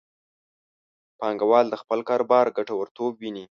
پانګوال د خپل کاروبار ګټورتوب ویني.